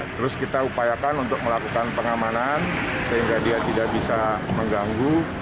terus kita upayakan untuk melakukan pengamanan sehingga dia tidak bisa mengganggu